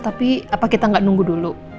tapi apa kita nggak nunggu dulu